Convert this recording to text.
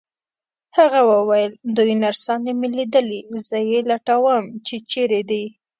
هغه وویل: دوې نرسانې مي لیدلي، زه یې لټوم چي چیري دي.